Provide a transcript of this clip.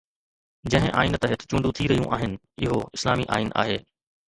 جنهن آئين تحت چونڊون ٿي رهيون آهن اهو اسلامي آئين آهي.